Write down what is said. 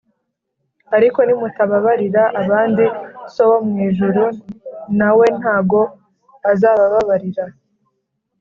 Ariko nimutababarira abandi So wo mu ijuru nawe ntago azabababarira